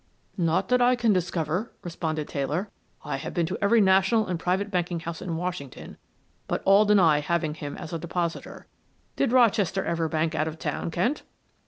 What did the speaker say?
"Not that I can discover," responded Taylor. "I have been to every national and private banking house in Washington, but all deny having him as a depositor. Did Rochester ever bank out of town, Kent?"